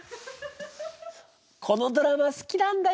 このドラマ好きなんだよねえ。